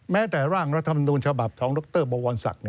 แม้แต่ร่างรัฐมนุญชาบับของรกเตอร์บรววลศักดิ์